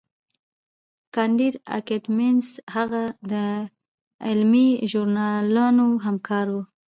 کانديد اکاډميسن هغه د علمي ژورنالونو همکار و.